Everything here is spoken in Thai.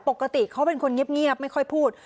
ปกติเขาเป็นคนเงียบไม่ค่อยพูด